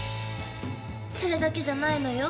それだけじゃないのよ。